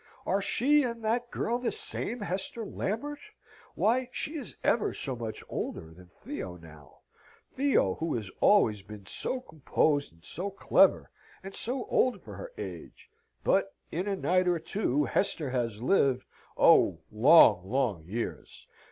Are she and that girl the same Hester Lambert? Why, she is ever so much older than Theo now Theo, who has always been so composed, and so clever, and so old for her age. But in a night or two Hester has lived oh, long, long years!